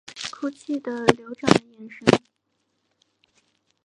哭泣的流转的眼神